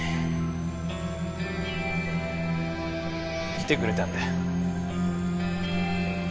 ・来てくれたんだ？